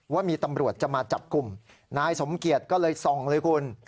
ว่ามีตำรวจจะมาจับกลุ่มนายสมเกียจก็เลยส่องเลยคุณ